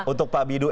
untuk pak bidu